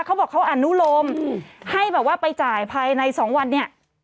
เขาบอกเขาอนุโลมให้แบบว่าไปจ่ายภายใน๒วันเนี่ย